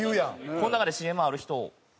この中でＣＭある人！